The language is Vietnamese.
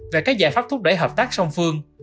về các giải pháp thúc đẩy hợp tác song phương